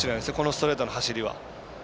ストレートの走りは。